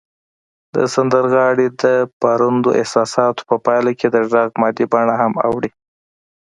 د سندرغاړي د پارندو احساساتو په پایله کې د غږ مادي بڼه هم اوړي